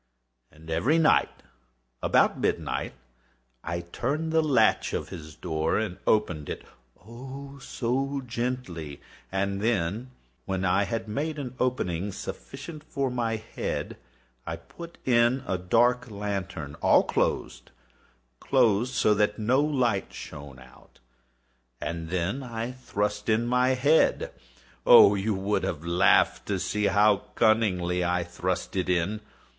And every night, about midnight, I turned the latch of his door and opened it—oh, so gently! And then, when I had made an opening sufficient for my head, I put in a dark lantern, all closed, closed, that no light shone out, and then I thrust in my head. Oh, you would have laughed to see how cunningly I thrust it in!